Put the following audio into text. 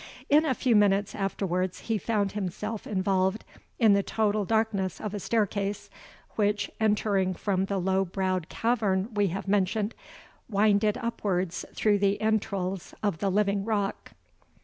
In a few minutes afterwards he found himself involved in the total darkness of a staircase, which, entering from the low browed cavern we have mentioned, winded upwards through the entrails of the living rock.